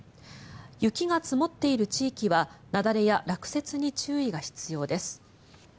雪が積もっている地域は雪崩や落雪に注意が必要です。